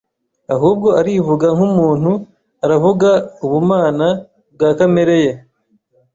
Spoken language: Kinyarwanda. ahubwo arivuga nk’umuntu, aravuga ubumana bwa kamere ye.